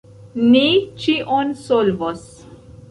Ni ĉion solvos.